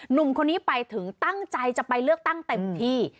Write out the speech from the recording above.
หนุ่มคนนี้ไปถึงตั้งใจจะไปเลือกตั้งเต็มที่